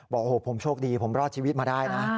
บอกโอ้โหผมโชคดีผมรอดชีวิตมาได้นะ